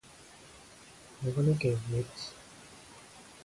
長野県上田市